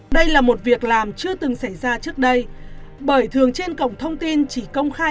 đây là một việc làm chưa từng xảy ra trước đây bởi thường trên cổng thông tin chỉ công khai